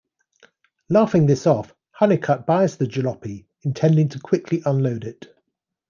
Laughing this off, Hunnicut buys the jalopy, intending to quickly unload it.